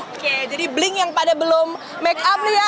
oke jadi blink yang pada belum make up nih ya